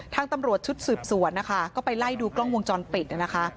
ทางตำรวจชุดสืบสวนนะคะก็ไปไล่ดูกล้องวงจรปิดนะคะ